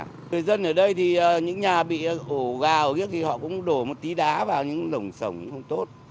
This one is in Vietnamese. người dân ở đây thì những nhà bị ổ gào họ cũng đổ một tí đá vào những lồng sổng không tốt